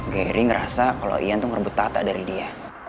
gary ngerasa kalo ian tuh ngerebut tata dari dia